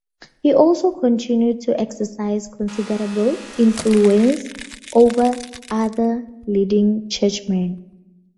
He also continued to exercise considerable influence over other leading churchmen.